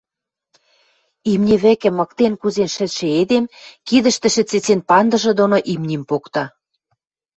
Имни вӹкӹ мыктен кузен шӹцшӹ эдем кидӹштӹшӹ цецен пандыжы доно имним покта.